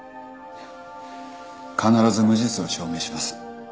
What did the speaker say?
必ず無実を証明します